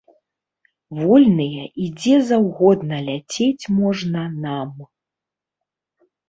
Вольныя і дзе заўгодна ляцець можна нам.